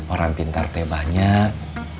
orang pintar banyak